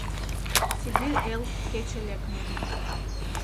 Сибирь эл Кече лекме